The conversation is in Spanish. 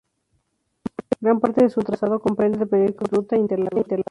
Gran parte de su trazado comprende el Proyecto Turístico "Ruta Interlagos".